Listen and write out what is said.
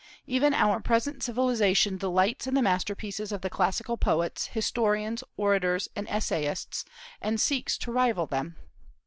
Even our present civilization delights in the masterpieces of the classical poets, historians, orators, and essayists, and seeks to rival them.